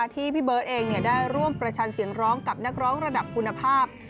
ที่พี่เบิร์ตเองได้ร่วมประชันเสียงร้องกับนักร้องระดับคุณภาพ